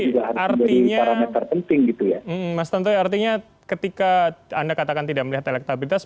oke mas tantowi terakhir berarti artinya ketika anda katakan tidak melihat elektabilitas